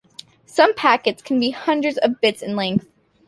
Some packets can be hundreds of bits in length.